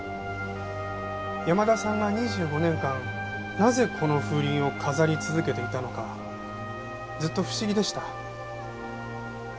山田さんが２５年間なぜこの風鈴を飾り続けていたのかずっと不思議でした。